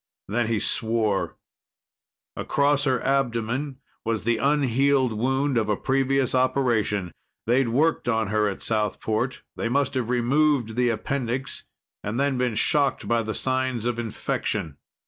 Then he swore. Across her abdomen was the unhealed wound of a previous operation. They'd worked on her at Southport. They must have removed the appendix and then been shocked by the signs of infection.